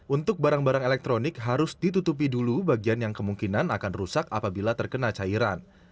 untuk barang barang elektronik harus ditutupi dulu bagian yang kemungkinan akan rusak apabila terkena cairan